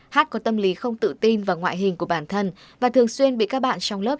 hát có tâm lý không tự tin vào ngoại hình của bản thân và thường xuyên bị các bạn trong lớp